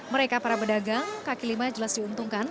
mereka para pedagang kaki lima jelas diuntungkan